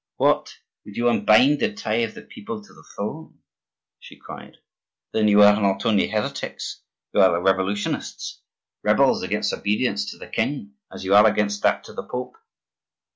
What! would you unbind the tie of the people to the throne?" she cried. "Then you are not only heretics, you are revolutionists,—rebels against obedience to the king as you are against that to the Pope!"